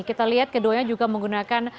kita lihat keduanya juga menggunakan